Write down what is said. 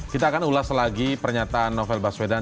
kita akan ulas lagi pernyataan novel baswedan